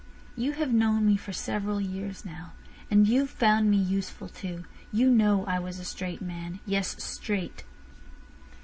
"You have known me for several years now, and you've found me useful, too. You know I was a straight man. Yes, straight."